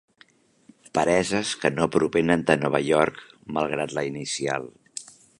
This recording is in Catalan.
Pereses que no provenen de Nova York, malgrat la inicial.